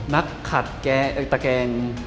นักขัดแกง